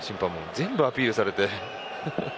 全部、アピールされて。